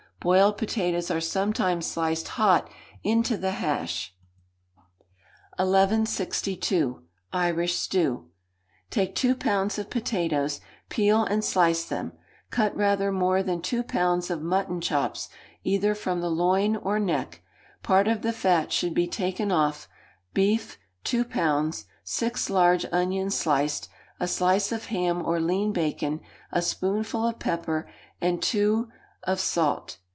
Boiled potatoes are sometimes sliced hot into the hash. 1162. Irish Stew. Take two pounds of potatoes; peel and slice them; cut rather more than two pounds of mutton chops, either from the loin or neck; part of the fat should he taken off; beef, two pounds, six large onions sliced, a slice of ham, or lean bacon, a spoonful of pepper, and two of salt.